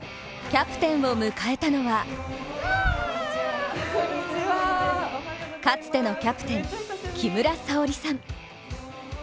キャプテンを迎えたのはかつてのキャプテン、木村沙織さん。